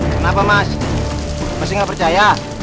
kenapa mas masih nggak percaya